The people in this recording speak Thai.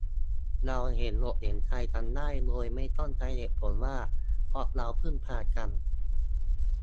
เราเห็นอกเห็นใจกันได้ โดยไม่ต้องใช้เหตุผลว่า เพราะเราพึ่งพากัน